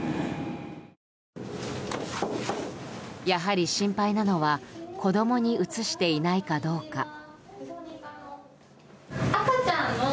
やはり心配なのは子供にうつしていないかどうか。